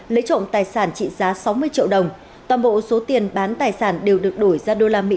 lấy trộm tài sản trị giá sáu mươi triệu đồng toàn bộ số tiền bán tài sản đều được đổi ra đô la mỹ